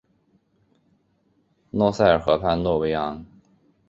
莫塞尔河畔诺韦昂。